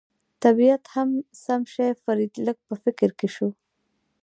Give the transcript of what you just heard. طبیعت هم سم شي، فرید لږ په فکر کې شو.